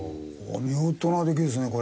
見事な出来ですねこれ。